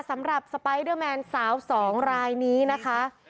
สำหรับสไปเดอร์แมนสาวสองรายนี้นะคะ